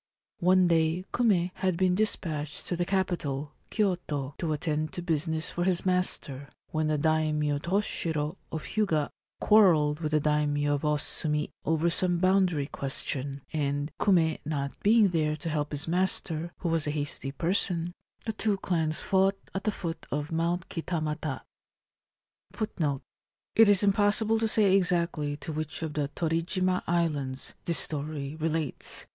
One day Kume had been despatched to the capital, Kyoto, to attend to business for his master, when the Daimio Toshiro of Hyuga quarrelled with the Daimio of Osumi over some boundary question, and, Kume not being there to help his master, who was a hasty person, the two clans fought at the foot of Mount Kitamata. 1 It is impossible to say exactly to which of the Torijima islands this story relates.